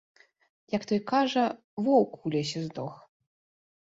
Як той кажа, воўк у лесе здох.